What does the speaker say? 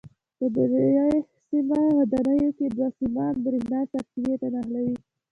په درې سیمه ودانیو کې دوه سیمان برېښنا سرچینې ته نښلي.